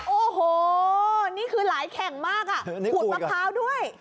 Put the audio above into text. โอ้โหนี่คือหลายแข่งมากอ่ะขูดมะพร้าวด้วย